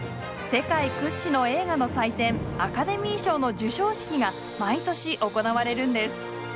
世界屈指の映画の祭典アカデミー賞の授賞式が毎年行われるんです。